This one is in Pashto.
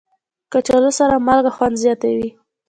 کچالو سره مالګه خوند زیاتوي